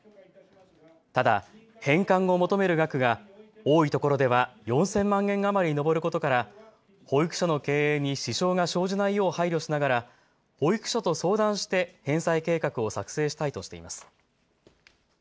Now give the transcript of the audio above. ただ返還を求める額が多いところでは４０００万円余りに上ることから保育所の経営に支障が生じないよう配慮しながら保育所と相談して返済計画を作成したいとしています。